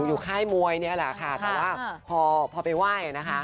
อยู่ใภ่มวยเนี่ยแหละค่ะแต่ว่าพอไปไหว้ค่ะ